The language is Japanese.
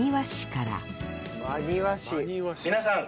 皆さん。